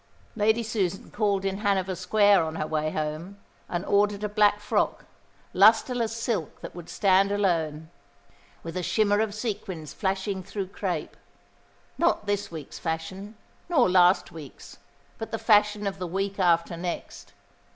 Lady Susan called in Hanover Square on her way home, and ordered a black frock, lustreless silk that would stand alone, with a shimmer of sequins flashing through crêpe: not this week's fashion, nor last week's, but the fashion of the week after next.